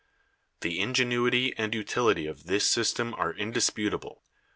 The ingenuity and utility of this system are indisputable.